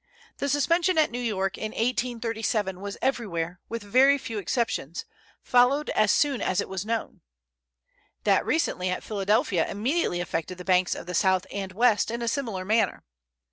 The suspension at New York in 1837 was everywhere, with very few exceptions, followed as soon as it was known. That recently at Philadelphia immediately affected the banks of the South and West in a similar manner.